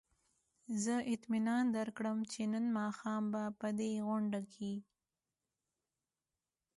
زه اطمینان درکړم چې نن ماښام به په دې غونډه کې.